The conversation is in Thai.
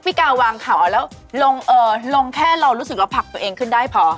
กาวางเขาแล้วลงแค่เรารู้สึกว่าผลักตัวเองขึ้นได้พอ